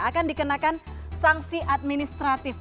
akan dikenakan sanksi administratif